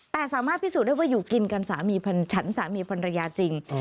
แต่สามารถพิสูจน์ได้ว่าอยู่กินกันสามีฉันสามีภรรยาจริง